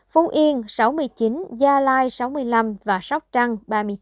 phú yên sáu mươi chín gia lai sáu mươi năm và sóc trăng ba mươi chín